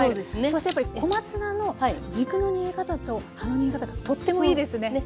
そしてやっぱり小松菜の軸の煮え方と葉の煮え方がとってもいいですね。